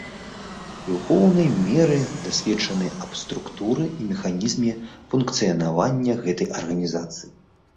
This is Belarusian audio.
І ў поўнай меры дасведчаны аб структуры і механізме функцыянавання гэтай арганізацыі.